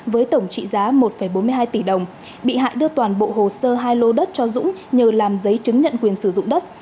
với tổng trị giá một bốn mươi hai tỷ đồng bị hại đưa toàn bộ hồ sơ hai lô đất cho dũng nhờ làm giấy chứng nhận quyền sử dụng đất